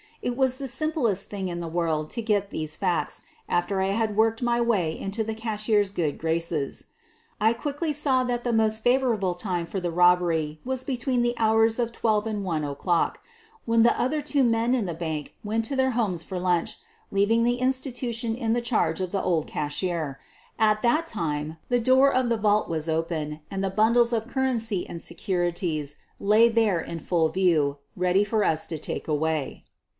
It was the simplest thing in the world to get these facts after I had worked my way into the cashier's good graces. I quickly saw that the most favorable time for the robbery was between the hours of 12 and 1 o'clock, when the other two men in the bank went to their homes for lunch, leaving the institution in the charge of the old cashier. At that time the* door of the vault was open, and the bundles of cur \ rency and securities Irj there in full view, ready for us to take away.